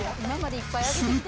すると。